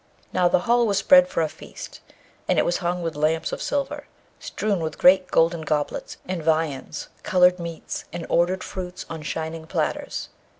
Now, the hall was spread for a feast, and it was hung with lamps of silver, strewn with great golden goblets, and viands, coloured meats, and ordered fruits on shining platters.